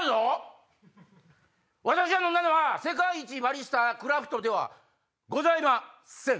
私が飲んだのは世界一バリスタクラフトではございません！